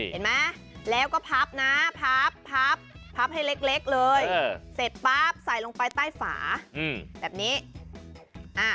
เห็นไหมแล้วก็พับนะพับพับพับให้เล็กเลยเสร็จปั๊บใส่ลงไปใต้ฝาแบบนี้